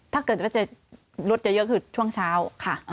ถ้าเกิดว่ารถจะเยอะคือช่วงเช้าค่ะ